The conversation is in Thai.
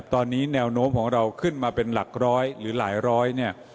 ตอนนี้แนวโน้มของเราขึ้นมาเป็นหลักร้อยหรือหลายร้อยเนี่ย